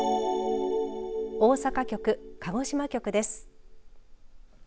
大阪局、鹿児島局です。